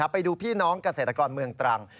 ไปดูพี่น้องเกษตรกรเมืองตรัง